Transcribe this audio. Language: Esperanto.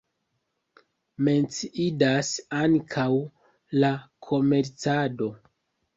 Menciindas ankaŭ la komercado.